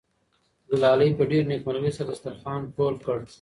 ګلالۍ په ډېرې نېکمرغۍ سره دسترخوان ټول کړ.